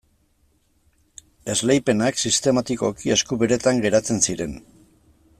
Esleipenak sistematikoki esku beretan geratzen ziren.